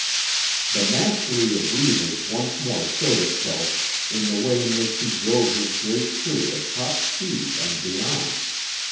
The mastery of Reivers once more showed itself in the way in which he drove his great crew at top speed and beyond.